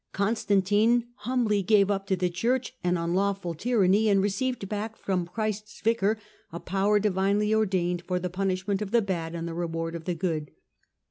Constantine humbly gave up to the Church an unlawful tyranny, and received back from Christ's Vicar a power divinely ordained for the punishment of the bad, and the reward of the good.